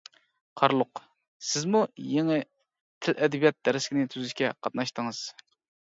قارلۇق: سىزمۇ يېڭى «تىل-ئەدەبىيات» دەرسلىكىنى تۈزۈشكە قاتناشتىڭىز.